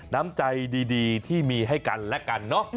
น้ำใจดีที่มีให้กันและกันเนอะ